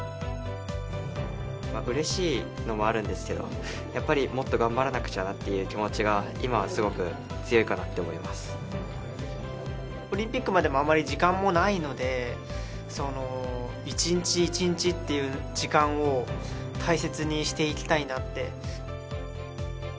うれしいのもあるんですけどやっぱり、もっと頑張らなくちゃという気持ちがオリンピックまでもあまり時間もないので１日１日という時間を大切にしていきたいなって。